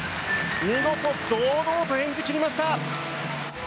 見事、堂々と演じ切りました！